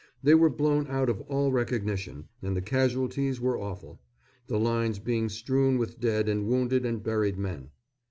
They were blown out of all recognition and the casualties were awful, the lines being strewn with dead and wounded and buried men.